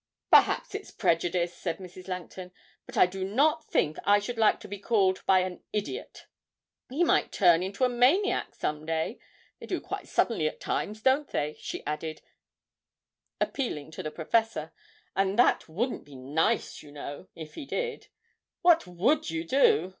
'Perhaps it's prejudice,' said Mrs. Langton, 'but I do not think I should like to be called by an idiot; he might turn into a maniac some day. They do quite suddenly at times, don't they?' she added, appealing to the professor, 'and that wouldn't be nice, you know, if he did. What would you do?'